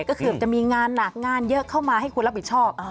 ก็เกือบจะมีงานหนักงานเยอะเข้ามาให้คุณรับผิดชอบ